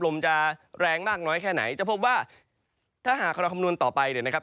ลมจะแรงมากน้อยแค่ไหนจะพบว่าถ้าหากเราคำนวณต่อไปเนี่ยนะครับ